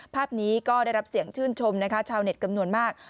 ภาพนี้ก็ได้รับเสียงชื่นชมนะคะชาวเน็ตจำนวนมาก